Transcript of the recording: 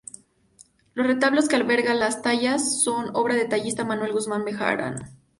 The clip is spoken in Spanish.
Los retablos que albergan las tallas son obra del tallista Manuel Guzmán Bejarano.